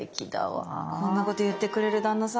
こんなこと言ってくれる旦那さん